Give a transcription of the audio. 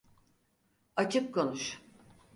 Açık konuş.